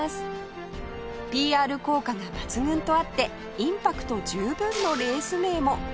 ＰＲ 効果が抜群とあってインパクト十分のレース名も